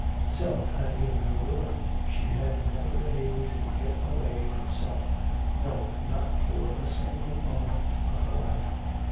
Self had been her ruin; she had never been able to get away from self, no, not for a single moment of her life.